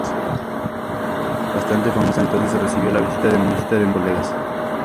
Bastante famosa entonces, recibió la visita de muchos de sus colegas.